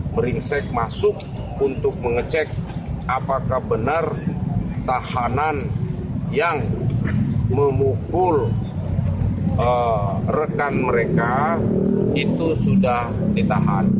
meringsek masuk untuk mengecek apakah benar tahanan yang memukul rekan mereka itu sudah ditahan